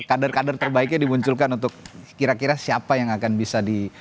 kader kader terbaiknya dimunculkan untuk kira kira siapa yang akan bisa di